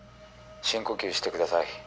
深呼吸してください。